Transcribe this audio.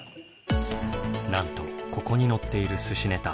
なんとここに載っているすしネタ